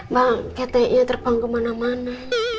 bang kayak kayaknya terbang kemana mana